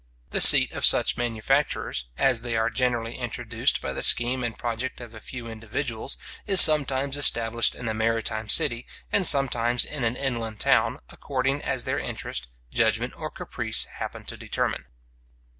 The seat of such manufactures, as they are generally introduced by the scheme and project of a few individuals, is sometimes established in a maritime city, and sometimes in an inland town, according as their interest, judgment, or caprice, happen to determine.